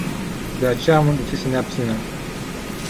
De aceea, am decis să ne abținem.